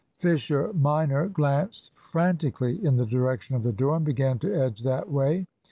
(Fisher minor glanced frantically in the direction of the door, and began to edge that way.)